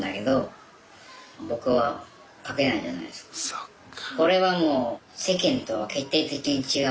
そっか。